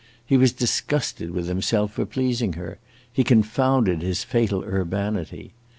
He was disgusted with himself for pleasing her; he confounded his fatal urbanity.